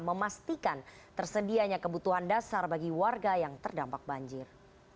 memastikan tersedianya kebutuhan dasar bagi warga yang terdampak banjir